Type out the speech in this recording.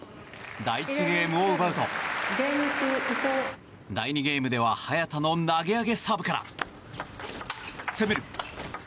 第１ゲームを奪うと第２ゲームでは早田の投げ上げサーブから攻める！